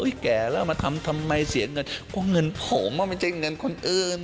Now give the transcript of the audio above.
แก่แล้วมาทำทำไมเสียเงินเพราะเงินผมไม่ใช่เงินคนอื่น